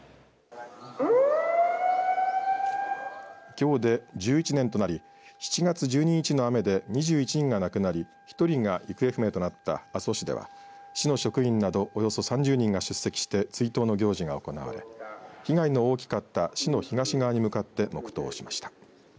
きょうで１１年となり７月１２日の雨で２１人が亡くなり１人が行方不明となった阿蘇市では市の職員などおよそ３０人が出席して追悼の行事が行われ被害の大きかった市の東側に向かって黙とうしました。